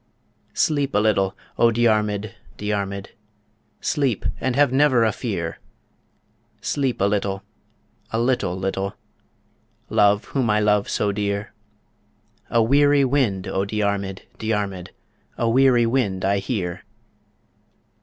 Sleep a little, O Diarmid, Diarmid, Sleep, and have never a fear; Sleep a little a little little, Love whom I love so dear A weary wind, O Diarmid, Diarmid, A weary wind I hear.